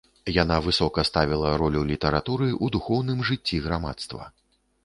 Яна высока ставіла ролю літаратуры ў духоўным жыцці грамадства.